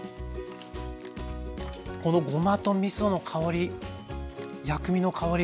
このごまとみその香り薬味の香り